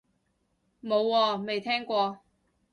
冇喎，未聽過